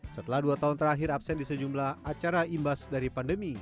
setelah dua tahun terakhir absen di sejumlah acara imbas dari pandemi